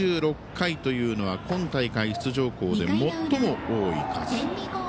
２６回というのは今大会出場校で最も多い数。